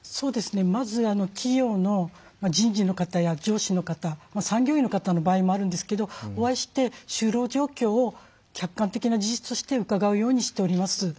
まず企業の人事の方や上司の方産業医の方の場合もあるんですけどお会いして就労状況を客観的な事実として伺うようにしております。